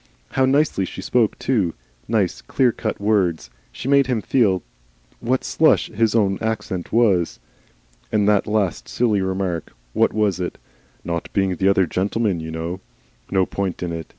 How nicely she spoke too! nice clear cut words! She made him feel what slush his own accent was. And that last silly remark. What was it? 'Not being the other gentleman, you know!' No point in it.